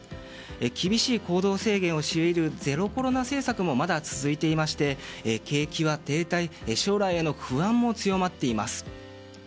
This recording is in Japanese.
厳しい行動制限を強いるゼロコロナ政策もまだ続いていまして景気は停滞し将来への不安も強まっています。